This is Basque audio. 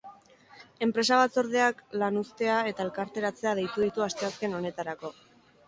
Enpresa batzordeak lanuztea eta elkarretaratzea deitu ditu asteazken honetarako.